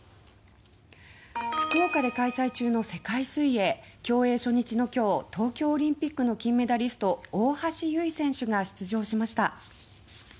福岡で開催中の世界水泳競泳初日の今日東京オリンピックの金メダリスト大橋悠依選手が出場しました。